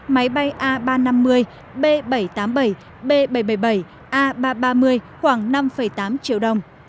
máy bay a ba trăm năm mươi b bảy trăm tám mươi bảy b bảy trăm bảy mươi bảy a ba trăm ba mươi khoảng năm tám triệu đồng